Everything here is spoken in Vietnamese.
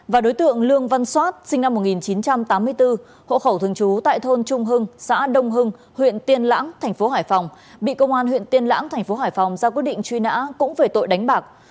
và đối tượng lương văn soát sinh năm một nghìn chín trăm tám mươi bốn hộ khẩu thường trú tại thôn trung hưng xã đông hưng huyện tiên lãng thành phố hải phòng bị công an huyện tiên lãng thành phố hải phòng ra quyết định truy nã cũng về tội đánh bạc